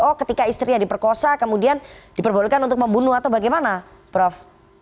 oh ketika istrinya diperkosa kemudian diperbolehkan untuk membunuh atau bagaimana prof